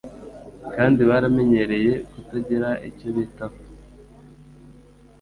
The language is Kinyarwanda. kandi baramenyereye kutagira icyo bitaho,